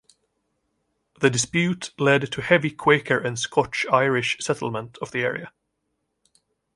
The dispute led to heavy Quaker and Scotch-Irish settlement of the area.